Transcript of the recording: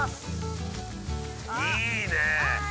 いいねえ